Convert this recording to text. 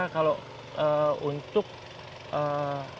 kalau untuk lutung jawa itu